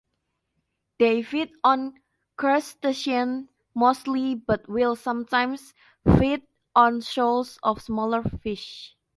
They feed on crustaceans mostly, but will sometimes feed on shoals of smaller fish.